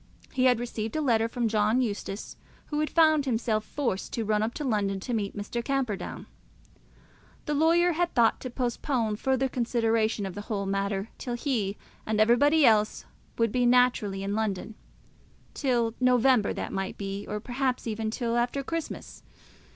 He had received a letter from John Eustace, who had found himself forced to run up to London to meet Mr. Camperdown. The lawyer had thought to postpone further consideration of the whole matter till he and everybody else would be naturally in London, till November that might be, or, perhaps, even till after Christmas.